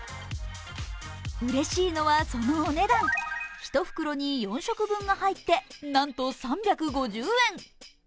うれしいのはそのお値段、１袋に４食分が入ってなんと３５０円。